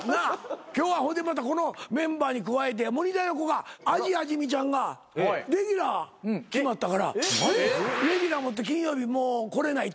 今日はほいでまたこのメンバーに加えてモニター横が味あじ美ちゃんがレギュラー決まったからレギュラー持って金曜日もう来れないって。